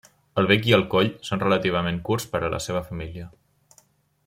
El bec i el coll són relativament curts per a la seva família.